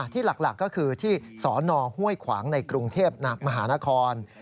ที่หลักก็คือที่สนห้วยขวางในกรุงเทพมหานคร